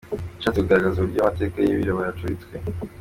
Yashatse kugaragaza uburyo amateka y’abirabura yacuritswe.